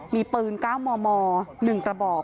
มีปืน๙มม๑กระบอก